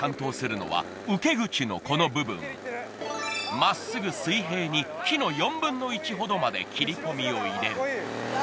まっすぐ水平に木の４分の１まで切り込みを入れる。